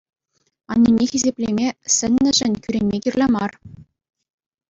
Аннӳне хисеплеме сӗннӗшӗн кӳренме кирлӗ мар.